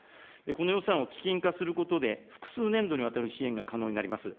この予算を基金化することで、複数年度にわたる支援が可能になります。